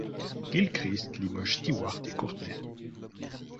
Gilchrist limoge Stewart et Courtney.